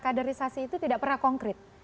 kaderisasi itu tidak pernah konkret